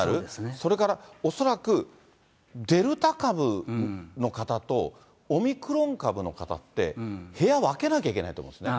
それからおそらく、デルタ株の方とオミクロン株の方って、部屋分けなきゃいけないと思うんですよね。